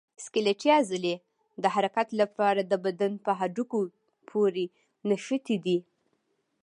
سکلیټي عضلې د حرکت لپاره د بدن په هډوکو پورې نښتي دي.